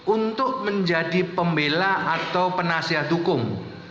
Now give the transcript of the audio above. untuk menjadi pembela atau penasihat hukum